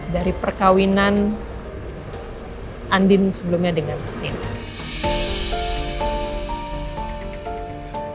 dari perkawinan andin sebelumnya dengan tina